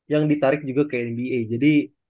yang ditarik juga ke nba jadi